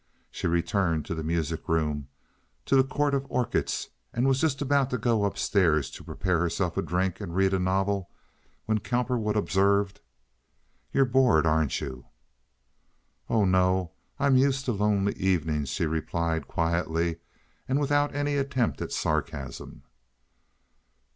She returned to the music room, to the court of orchids, and was just about to go up stairs to prepare herself a drink and read a novel when Cowperwood observed: "You're bored, aren't you?" "Oh no; I'm used to lonely evenings," she replied, quietly and without any attempt at sarcasm.